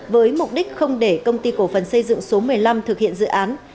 với mục đích không để công ty cổ phần xây dựng số một mươi năm thực hiện dự án